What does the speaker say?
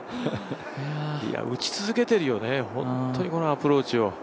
打ち続けてるよね、本当にアプローチを。